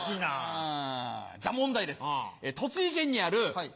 うん。